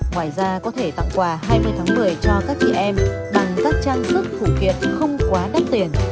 ngoài ra có thể tặng quà hai mươi tháng một mươi cho các chị em bằng các trang thức phụ kiện không quá đắt tiền